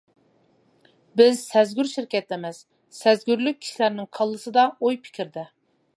بىز سەزگۈر شىركەت ئەمەس، سەزگۈرلۈك كىشىلەرنىڭ كاللىسىدا، ئوي-پىكرىدە.